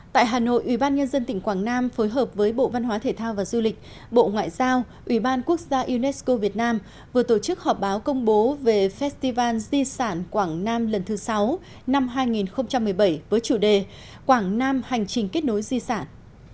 tại hà nội ủy ban nhân dân tỉnh quảng nam phối hợp với bộ văn hóa thể thao và du lịch bộ ngoại giao ủy ban quốc gia unesco việt nam vừa tổ chức họp báo công bố về festival di sản quảng nam lần thứ sáu năm hai nghìn một mươi bảy với chủ đề quảng nam hành trình kết nối di sản